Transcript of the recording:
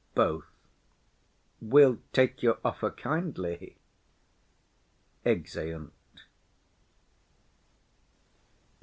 BOTH. We'll take your offer kindly. [_Exeunt.